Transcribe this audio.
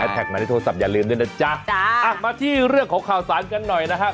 แท็กมาที่โทรศัพท์อย่าลืมด้วยนะจ๊ะมาที่เรื่องของข่าวสารกันหน่อยนะครับ